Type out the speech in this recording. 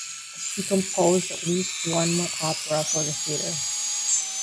He composed at least one more opera for the theatre.